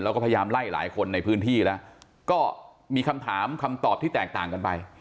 แล้วก็พยายามไล่หลายคนในพื้นที่แล้วก็มีคำถามคำตอบที่แตกต่างกันไป